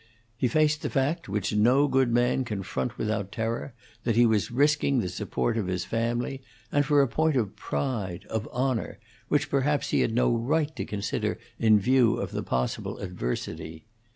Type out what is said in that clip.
He faced the fact, which no good man can front without terror, that he was risking the support of his family, and for a point of pride, of honor, which perhaps he had no right to consider in view of the possible adversity.